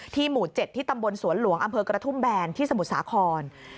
หมู่๗ที่ตำบลสวนหลวงอำเภอกระทุ่มแบนที่สมุทรสาคร